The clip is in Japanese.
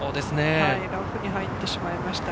ラフに入ってしまいました。